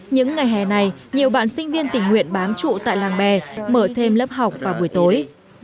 những ngày hè này nhiều bạn sinh viên tình nguyện bám trụ tại làng bè mở thêm lớp học vào buổi tối